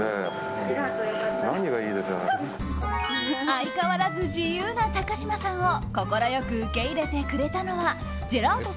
相変わらず自由な高嶋さんを快く受け入れてくれたのはジェラート